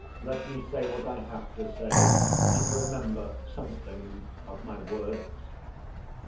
Let me say what I have to say, and remember something of my words.